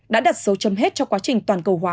đã đặt dấu chấm hết cho quá trình toàn cầu hóa